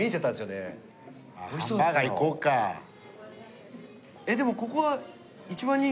えっでもここは。